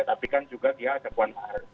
tapi kan juga dia ada puan pak r bdip misalnya